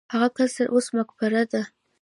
هغه قصر اوس مقبره ده.